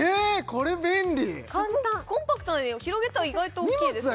これ便利簡単コンパクトなのに広げたら意外と大きいですよね